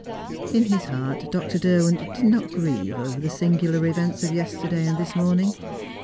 In his heart, Dr. Derwent did not grieve over the singular events of yesterday and this morning.